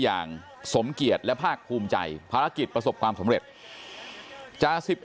อย่างสมเกียรติและภาคภูมิใจภารกิจประสบความสำเร็จ